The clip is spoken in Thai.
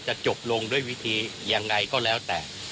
จะจบลงด้วยวิธียังไงก็แล้วแต่